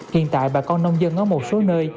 hiện tại bà con nông dân ở một số nơi